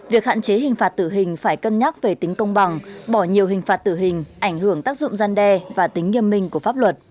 việc hạn chế hình phạt tử hình phải cân nhắc về tính công bằng bỏ nhiều hình phạt tử hình ảnh hưởng tác dụng gian đe và tính nghiêm minh của pháp luật